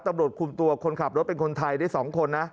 ตำรวจคุมตัวคนขับรถเป็นคนไทยได้๒คนนะ